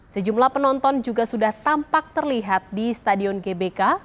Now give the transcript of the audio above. sejumlah penonton juga sudah tampak terlihat di stadion gbk